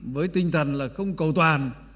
với tinh thần là không cầu toàn